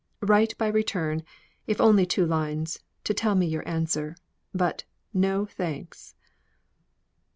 Write by return if only two lines, to tell me your answer. But no thanks."